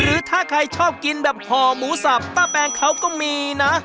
หรือถ้าใครชอบกินแบบห่อหมูสับป้าแปงเขาก็มีนะ